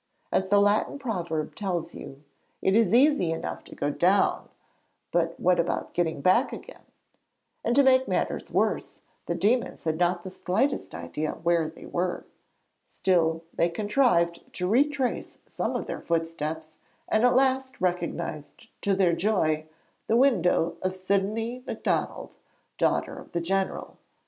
As the Latin proverb tells you, it is easy enough to go down, but what about getting back again? And to make matters worse, the demons had not the slightest idea where they were. Still, they contrived to retrace some of their footsteps and at last recognised to their joy the window of Sidonie Macdonald, daughter of the general.